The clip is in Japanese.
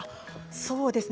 そうですね